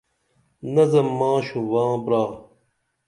نظم ماں شوباں برا